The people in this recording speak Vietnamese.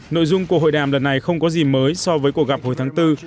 nội dung của hội đàm lần này không có gì mới so với cuộc gặp hồi tháng bốn